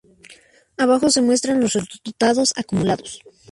Abajo se muestran los resultados acumulados.